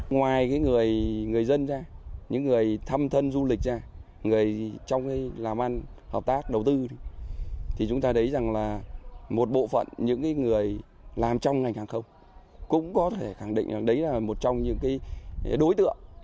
ngoài người dân ra những người thăm thân du lịch ra trong làm ăn hợp tác đầu tư thì chúng ta thấy rằng là một bộ phận những người làm trong ngành hàng không cũng có thể khẳng định rằng đấy là một trong những đối tượng